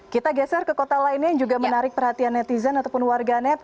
kita geser ke kota lainnya yang juga menarik perhatian netizen ataupun warganet